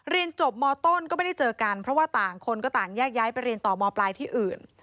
เรียนจบมต้นก็ไม่ได้เจอกันเพราะว่าต่างคนก็ต่างแยกย้ายไปเรียนต่อมปลายที่อื่น